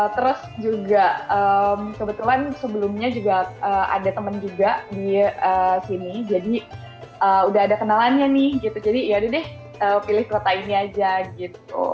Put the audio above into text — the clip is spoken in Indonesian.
terus juga kebetulan sebelumnya juga ada teman juga di sini jadi udah ada kenalannya nih gitu jadi yaudah deh pilih kota ini aja gitu